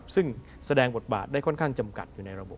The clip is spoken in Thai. ซึ่งแสดงบทบาทได้ค่อนข้างจำกัดอยู่ในระบบ